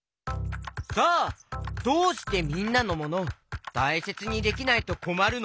さあどうしてみんなのモノたいせつにできないとこまるの？